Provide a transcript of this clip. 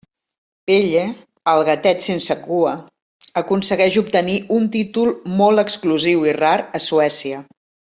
Pelle, el gatet sense cua, aconsegueix obtenir un títol molt exclusiu i rar a Suècia.